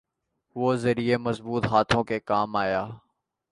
وہ ذریعہ مضبوط ہاتھوں کے کام آیا۔